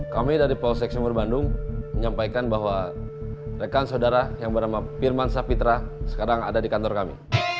kami dari polsek sumur bandung menyampaikan bahwa rekan saudara yang bernama firman sapitra sekarang ada di kantor kami